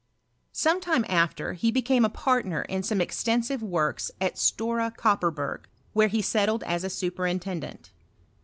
Sometime after, he became a partner in some ex tensive works at Stora Kopperberg, where he settled as a superintendent.